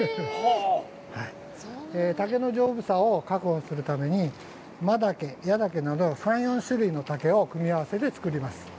竹の丈夫さを確保するために、真竹、矢竹など３４種類の竹を組み合わせて作ります。